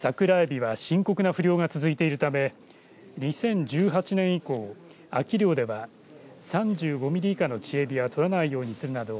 サクラエビは深刻な不漁が続いているため２０１８年以降秋漁では３５ミリ以下の稚エビを取らないようにするなど